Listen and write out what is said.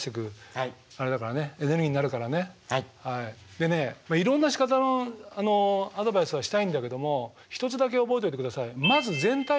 でねいろんなしかたのアドバイスはしたいんだけども一つだけ覚えておいてください。